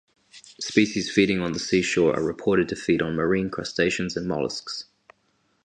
Species feeding on the seashore are reported to feed on marine crustaceans and molluscs.